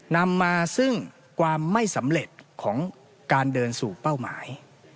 นำมาซึ่งความไม่สำเร็จของการเดินสู่เป้าหมาย